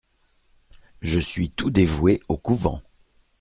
Je suis tout dévoué au couvent.